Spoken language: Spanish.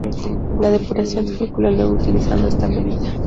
La depuración se calcula luego utilizando esta medida.